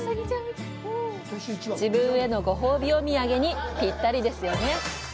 自分へのご褒美お土産にピッタリですよね！